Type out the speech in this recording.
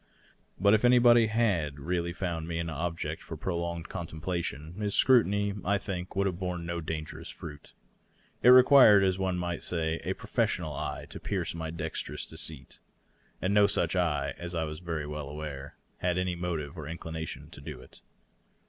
But if anybody had really found me an object for prolonged contemplation, his scrutiny would, I think, have borne no dangerous fruit. It required, as one might say, a profes sional eye to pierce my dexterous deceit. And no such eye, as I was very well aware, had any motive or inclination to do it.